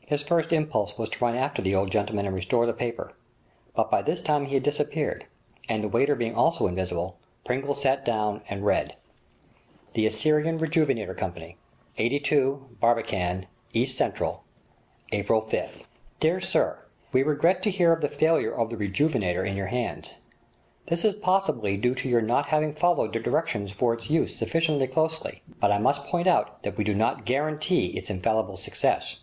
His first impulse was to run after the old gentleman and restore the paper, but by this time he had disappeared, and the waiter being also invisible, Pringle sat down and read: 'The Assyrian Rejuvenator Co., 82, Barbican, E.C. April 5th 'Dear Sir—We regret to hear of the failure of the "Rejuvenator" in your hands. This is possibly due to your not having followed the directions for its use sufficiently closely, but I must point out that we do not guarantee its infallible success.